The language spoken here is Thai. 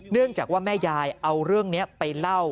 เนื่องจากว่าแม่ยายเอาเรื่องนี้ไปเล่า